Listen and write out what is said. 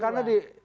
karena di iya